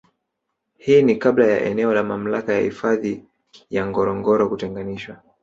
Hii ni Kabla ya eneo la mamlaka ya hifadhi ya Ngorongoro kutenganishwa